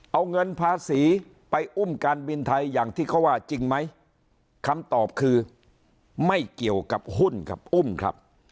เอาเงินภาษีไปอุ้มการบินไทยอย่างที่เขาว่าจริงไหมคำตอบคือไม่เกี่ยวกับหุ้นกับอุ้มครับ